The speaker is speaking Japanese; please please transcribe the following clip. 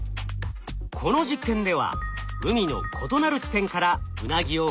この実験では海の異なる地点からウナギを放流しました。